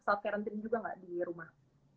self quarantine juga nggak di rumah